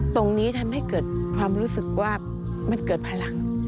ตรงนี้ทำให้เกิดความรู้สึกว่ามันเกิดพลัง